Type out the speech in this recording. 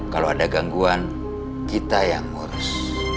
kalau ada gangguan kita yang ngurus